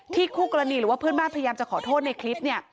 คู่กรณีหรือว่าเพื่อนบ้านพยายามจะขอโทษในคลิป